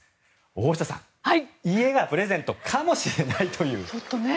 大下さん、家がプレゼントかもしれないという。